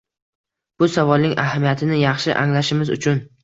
Bu savolning ahamiyatini yaxshi anglashimiz uchun